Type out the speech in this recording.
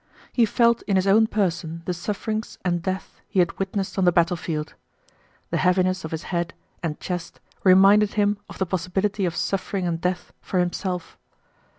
He felt in his own person the sufferings and death he had witnessed on the battlefield. The heaviness of his head and chest reminded him of the possibility of suffering and death for himself.